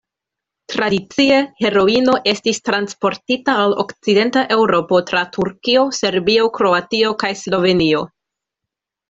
Tradicie, heroino estis transportita al Okcidenta Eŭropo tra Turkio, Serbio, Kroatio kaj Slovenio.